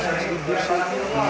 saya sedih sedih